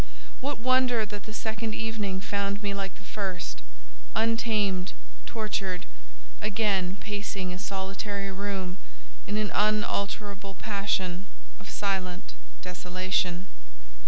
What wonder that the second evening found me like the first—untamed, tortured, again pacing a solitary room in an unalterable passion of silent desolation?